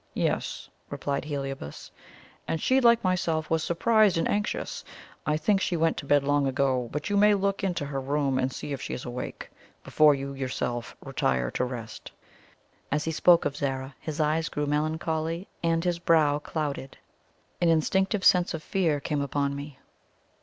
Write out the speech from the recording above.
"Yes," replied Heliobas; "and she, like myself, was surprised and anxious. I think she went to bed long ago; but you may look into her room and see if she is awake, before you yourself retire to rest." As he spoke of Zara his eyes grew melancholy and his brow clouded. An instinctive sense of fear came upon me.